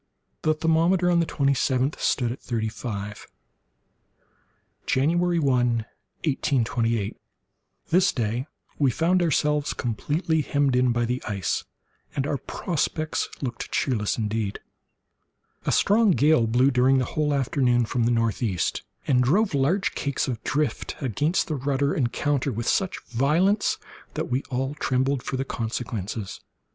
The thermometer, on the twenty seventh stood at thirty five. January 1, 1828.—This day we found ourselves completely hemmed in by the ice, and our prospects looked cheerless indeed. A strong gale blew, during the whole forenoon, from the northeast, and drove large cakes of the drift against the rudder and counter with such violence that we all trembled for the consequences.